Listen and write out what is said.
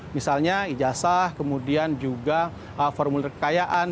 misalnya ijazah kemudian juga formulir kekayaan